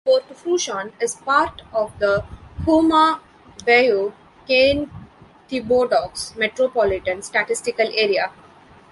Port Fourchon is part of the Houma-Bayou Cane-Thibodaux Metropolitan Statistical Area.